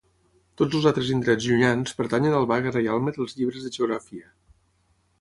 Tots els altres indrets llunyans pertanyen al vague reialme dels llibres de geografia.